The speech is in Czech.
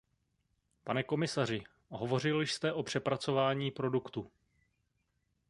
Pane komisaři, hovořil jste o přepracování produktu.